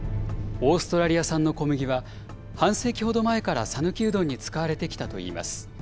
オーストラリア産の小麦は、半世紀ほど前から讃岐うどんに使われてきたといいます。